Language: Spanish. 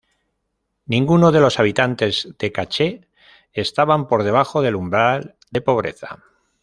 Ninguno de los habitantes de Cache estaban por debajo del umbral de pobreza.